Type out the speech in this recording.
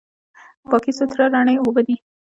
پاکې، سوتره، رڼې اوبه دي.